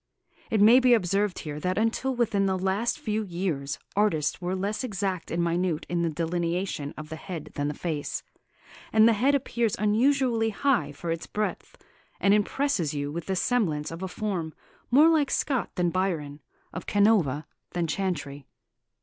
It may be observed here that until within the last few years artists were less exact and minute in the delineation of the head than the face; and the head appears unusually high for its breadth, and impresses you with the semblance of a form more like Scott than Byron, of Canova than Chantrey.